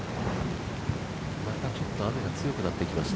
またちょっと雨が強くなってきました。